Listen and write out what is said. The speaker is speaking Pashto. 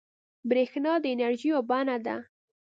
برېښنا د انرژۍ یوه بڼه ده.